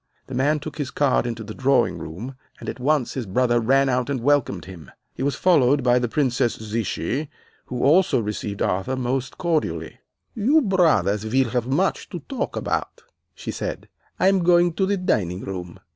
The man took his card into the drawing room, and at once his brother ran out and welcomed him. He was followed by the Princess Zichy, who also received Arthur most cordially. "'You brothers will have much to talk about,' she said. 'I am going to the dining room.